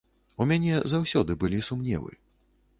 У мяне заўсёды былі сумневы.